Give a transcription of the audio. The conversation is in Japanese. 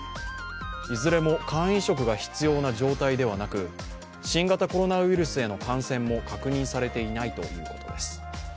いずれも肝移植が必要な状態ではなく、新型コロナウイルスへの感染も確認されていないということです。